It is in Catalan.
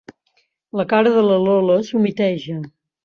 La cara de la Lola s'humiteja.